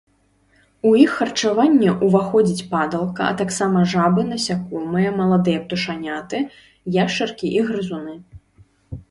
У іх харчаванне ўваходзіць падалка, а таксама жабы, насякомыя, маладыя птушаняты, яшчаркі і грызуны.